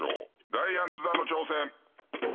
ダイアン津田の挑戦。